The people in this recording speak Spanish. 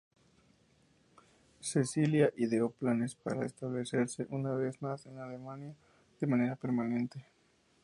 Cecilia ideó planes para establecerse una vez más en Alemania de manera permanente.